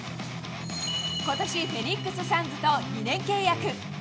ことし、フェニックス・サンズと２年契約。